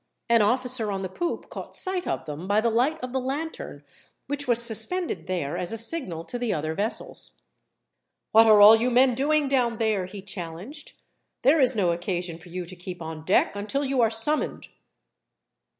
An officer on the poop caught sight of them by the light of the lantern, which was suspended there as a signal to the other vessels. "What are all you men doing down there?" he challenged. "There is no occasion for you to keep on deck until you are summoned."